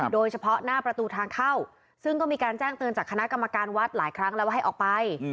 โดยเฉพาะหน้าประตูทางเข้าซึ่งก็มีการแจ้งเตือนจากคณะกรรมการวัดหลายครั้งแล้วว่าให้ออกไป